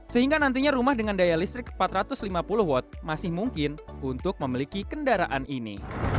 sehingga nantinya rumah dengan daya listrik empat ratus lima puluh watt masih mungkin untuk memiliki kendaraan ini